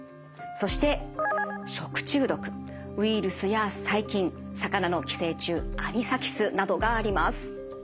そしてウイルスや細菌魚の寄生虫アニサキスなどがあります。